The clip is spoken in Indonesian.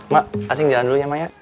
mak asing jalan dulu ya maya